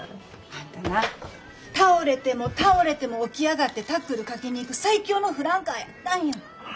あんたな倒れても倒れても起き上がってタックルかけに行く最強のフランカーやったんや。